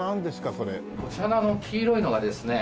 こちらの黄色いのがですね